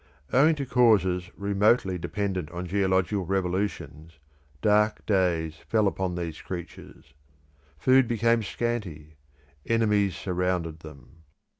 Owing to causes remotely dependent on geological revolutions, dark days fell upon these creatures. Food became scanty; enemies surrounded them.